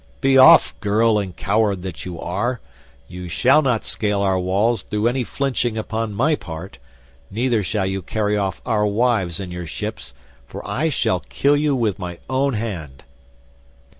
Be off, girl and coward that you are, you shall not scale our walls through any flinching upon my part; neither shall you carry off our wives in your ships, for I shall kill you with my own hand."